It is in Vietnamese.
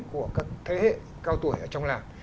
của các thế hệ cao tuổi ở trong làng